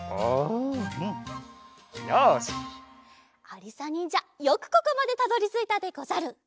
ありさにんじゃよくここまでたどりついたでござる。